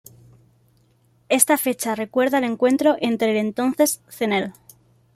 Esta fecha recuerda el encuentro entre el entonces Cnel.